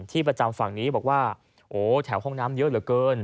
ที่ประจำฝั่งนี้บอกว่าโอ้แถวห้องน้ำเยอะเหลือเกิน